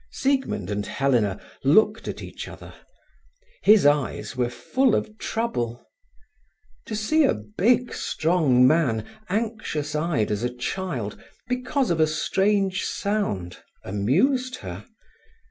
Siegmund and Helena looked at each other. His eyes were full of trouble. To see a big, strong man anxious eyed as a child because of a strange sound amused her.